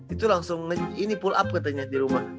itu langsung ini pull up katanya di rumah